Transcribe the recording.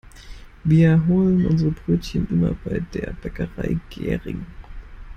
Wir holen unsere Brötchen immer bei der Bäckerei Gehring.